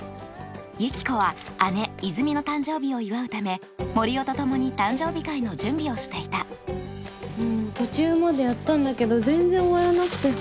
ユキコは姉・イズミの誕生日を祝うため森生と共に誕生日会の準備をしていた途中までやったんだけど全然終わらなくてさ。